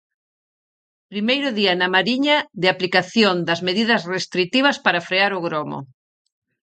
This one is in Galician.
Primeiro día na Mariña de aplicación das medidas restritivas para frear o gromo.